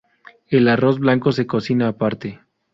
El arroz blanco se cocina aparte.